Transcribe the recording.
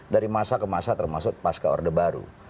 dari masa ke masa termasuk pasca orde baru